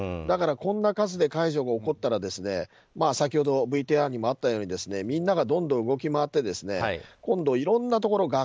だからこんな数で解除が起こったら先ほどＶＴＲにもあったようにみんながどんどん動き回っていろんなところ